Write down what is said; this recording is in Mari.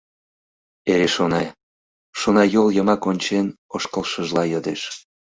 Эре шона, шонаЙол йымак ончен ошкылшыжла йодеш: